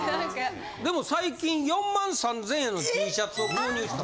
・でも最近４万３０００円のＴシャツを購入した。